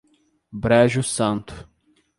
Brejo Santo